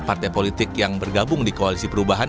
partai politik yang bergabung di koalisi perubahan